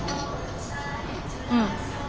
うん。